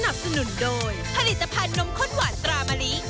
สนุนโดยผลิตภัณฑ์นมข้นหวานตรามะลิ